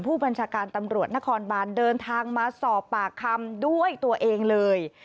ผู้บัญชาการตำรวจนครบานเดินทางมาสอบปากคำด้วยตัวเองเลย